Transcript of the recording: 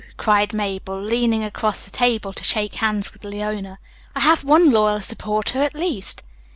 cried Mabel, leaning across the table to shake hands with Leona. "I have one loyal supporter at least."